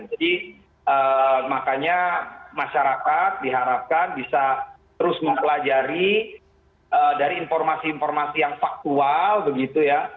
jadi makanya masyarakat diharapkan bisa terus mempelajari dari informasi informasi yang faktual begitu ya